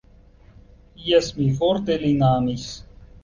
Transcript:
Jes, mi forte lin amis.